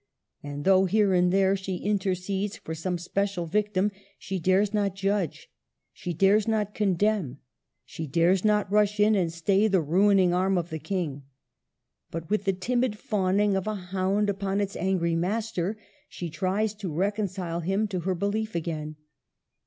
And though here and there she intercedes for some special victim, she dares not judge, she dares not condemn, she dares not rush in and stay the ruining arm of the King. But with the timid fawning of a hound upon its angry master she tries to reconcile him to her belief again.